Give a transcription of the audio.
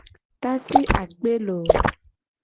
Tasi akpe looo.